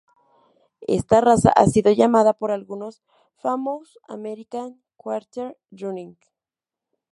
Esta "raza" ha sido llamada por algunos "Famous American Quarter Running".